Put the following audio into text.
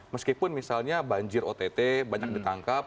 meskipun misalnya banjir ott banyak ditangkap